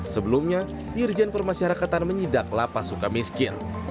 sebelumnya dirjen permasyarakatan menyidak lapas suka miskin